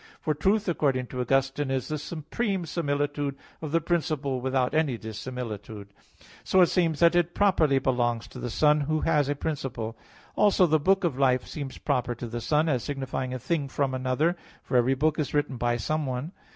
For "truth," according to Augustine (De Vera Relig. 36), "is the supreme similitude of the principle without any dissimilitude." So it seems that it properly belongs to the Son, Who has a principle. Also the "book of life" seems proper to the Son, as signifying "a thing from another"; for every book is written by someone.